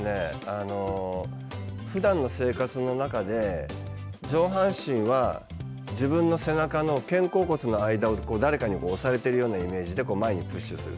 普段の生活の中で上半身は自分の背中の肩甲骨の間を誰かに押されているようなイメージで、前にプッシュする。